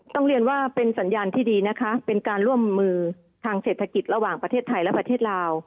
ต้องเรียนว่าเป็นสัญญาณที่ดีนะคะเป็นการร่วมมือทางเศรษฐกิจระหว่างประเทศไทยและประเทศลาว